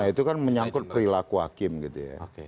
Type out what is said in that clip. itu kan menyangkut perilaku hakim gitu ya